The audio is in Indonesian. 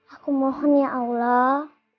aku mohon ya allah